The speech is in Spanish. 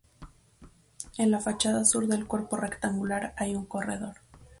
En la fachada sur del cuerpo rectangular hay un corredor.